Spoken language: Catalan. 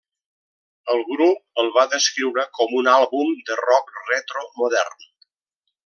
El grup el va descriure com un àlbum de rock retro modern.